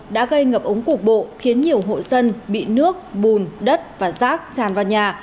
đã gây ngập ống cục bộ khiến nhiều hộ dân bị nước bùn đất và rác tràn vào nhà